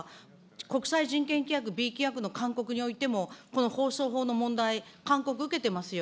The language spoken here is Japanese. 国際人権規約、規約の勧告においてもこの放送法の問題、勧告受けてますよ。